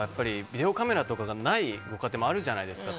ビデオカメラとかがないご家庭もあるじゃないですか。